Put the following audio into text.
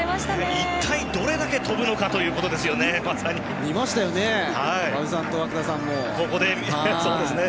一体、どれだけ跳ぶのかというところですよね。